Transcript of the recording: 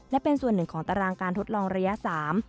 และเป็นส่วนหนึ่งของตารางการทดลองระยะสาม